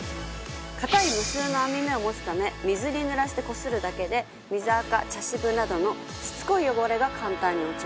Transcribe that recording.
硬い無数の網目を持つため水にぬらしてこするだけで水あか茶渋などのしつこい汚れが簡単に落ちます。